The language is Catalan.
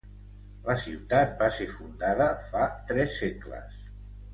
La ciutat va ser fundada fa tres segles.